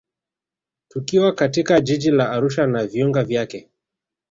Tukiwa katika jiji la Arusha na viunga vyake